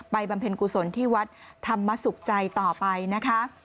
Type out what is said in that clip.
บำเพ็ญกุศลที่วัดธรรมสุขใจต่อไปนะคะ